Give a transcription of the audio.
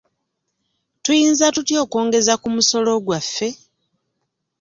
Tuyinza tutya okwongeza ku musolo gwaffe?